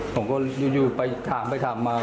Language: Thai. ผมก็ยูนไปถามมา